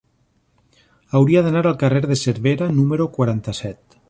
Hauria d'anar al carrer de Cervera número quaranta-set.